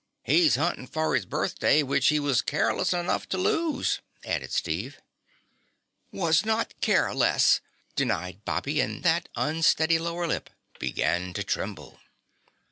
"He's huntin' for his birthday which he was careless enough to lose," added Steve. "Was not care less!" Denied Bobby and that unsteady lower lip began to tremble.